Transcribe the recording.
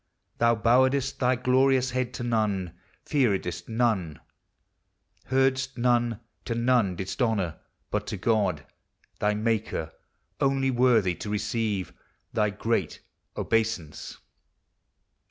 Thou bowedest thy glorious head to none, fearedst none, Heardst none, to none didst honor, but to God Thy Maker, only worthy to receive Thy great obeisance.